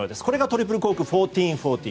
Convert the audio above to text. これがトリプルコーク１４４０。